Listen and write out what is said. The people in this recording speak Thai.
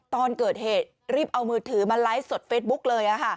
ตอนเกิดเหตุรีบเอามือถือมาไลฟ์สดเฟซบุ๊กเลย